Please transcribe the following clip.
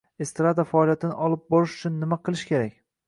Estrada faoliyatini olib borish uchun nima qilish kerak?